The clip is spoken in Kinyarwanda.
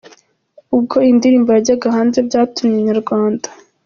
Ubwo iyi ndirimbo yajyaga hanze byatumye Inyarwanda.